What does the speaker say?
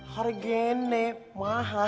harga enek mahal